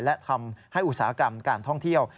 และทำให้อุตสาหกรรมการท่องเที่ยว